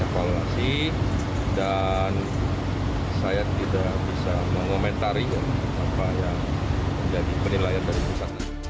evaluasi dan saya tidak bisa mengomentari apa yang menjadi penilaian dari pusat